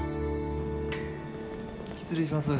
失礼します。